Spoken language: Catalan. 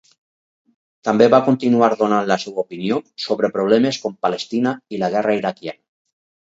També va continuar donant la seva opinió sobre problemes com Palestina i la guerra iraquiana.